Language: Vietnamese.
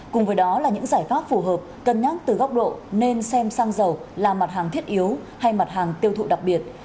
cùng với đó là những giải pháp phù hợp cân nhắc từ góc độ nên xem sang dầu là mặt hàng thiết yếu hay mặt hàng tiêu thụ đặc biệt